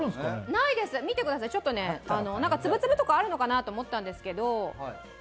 ないです、見てください、ちょっと粒々とかあるのかなと思ったんですけど。